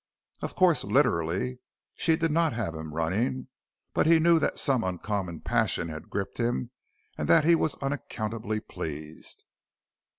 Of course literally she did not have him running, but he knew that some uncommon passion had gripped him and that he was unaccountably pleased.